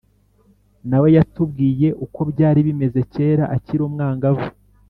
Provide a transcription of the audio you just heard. na we yatubwiye uko byari bimeze kera akiri umwangavu